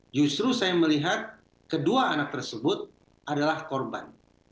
justru saya melihat kedua anak tersebut adalah korban